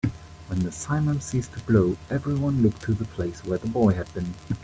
When the simum ceased to blow, everyone looked to the place where the boy had been.